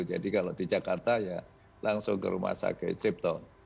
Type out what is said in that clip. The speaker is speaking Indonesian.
jadi kalau di jakarta ya langsung ke rumah sakit sipto